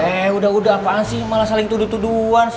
eh udah udah apaan sih malah saling tuduh tuduhan sih